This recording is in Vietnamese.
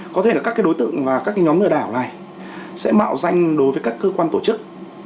có thể là các đối tượng và các nhóm lừa đảo này sẽ mạo danh đối với các cơ quan tổ chức